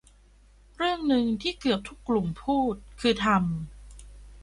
เรื่องนึงที่เกือบทุกกลุ่มพูดคือทำ